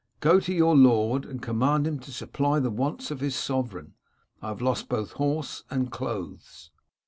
Go to your lord and command him to supply the wants of his sovereign. I have lost both horse and clothes.'